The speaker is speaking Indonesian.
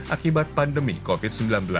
akibat pandemi covid sembilan belas